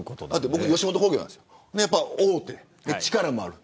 僕、吉本興業なんですけど大手で力もある。